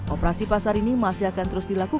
operasi pasar ini masih akan terus dilakukan